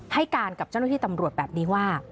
ให้การกับเจ้าหน้าที่ตำรวจแบบนี้ว่า